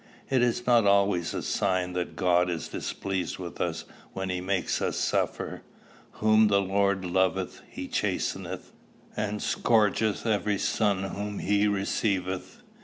It is not always a sign that God is displeased with us when he makes us suffer. 'Whom the Lord loveth he chasteneth, and scourgeth every son whom he receiveth.